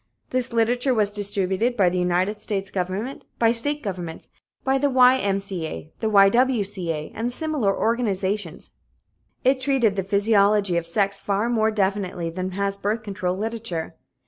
This literature was distributed by the United States Government, by state governments, by the Y.M.C.A., the Y.W.C.A., and by similar organizations. It treated the physiology of sex far more definitely than has birth control literature.